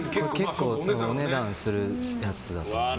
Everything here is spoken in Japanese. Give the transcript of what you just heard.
結構お値段するやつだと思います。